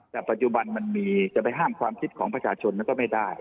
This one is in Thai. แต่ปัจจุบันมันมีจะไปห้ามความคิดของประชาชนนั้นก็ไม่ได้